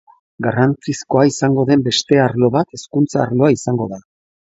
Garrantzizkoa izango den beste arlo bat hezkuntza arloa izango da.